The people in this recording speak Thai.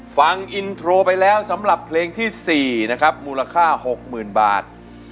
ฟังอินโทรไปแล้วสำหรับเพลงที่๔นะครับมูลค่า๖๐๐๐บาท